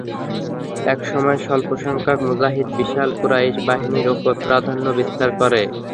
এক সময় স্বল্পসংখ্যক মুজাহিদ বিশাল কুরাইশ বাহিনীর উপর প্রাধান্য বিস্তার করে।